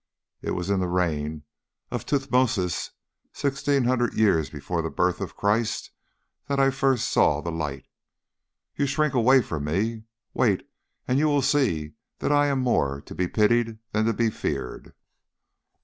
It was in the reign of Tuthmosis, sixteen hundred years before the birth of Christ, that I first saw the light. You shrink away from me. Wait, and you will see that I am more to be pitied than to be feared.